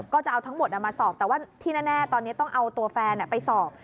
ก็จะเอาทั้งหมดมาสอบแต่ว่าที่แน่ตอนนี้ต้องเอาตัวแฟนไปสอบ